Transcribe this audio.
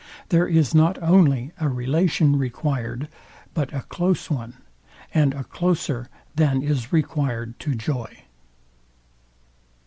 There is not only a relation required, but a close one, and a closer than is required to joy.